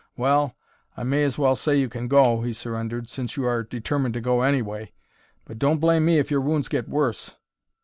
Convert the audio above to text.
"Well, I may as well say you can go," he surrendered, "since you are determined to go anyway. But don't blame me if your wounds get worse."